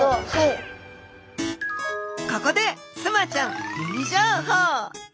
ここでスマちゃんミニ情報。